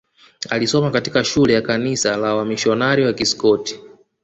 alisoma katika shule ya kanisa la wamisionari wa Kiskoti